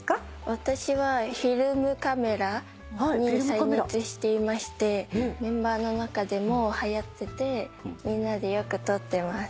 私はフィルムカメラに再熱していましてメンバーの中でもはやっててみんなでよく撮ってます。